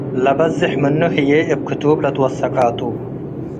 ለበዝሕ ምኑ ህዬ እብ ክቱብ ለትወሰቀ ቱ ።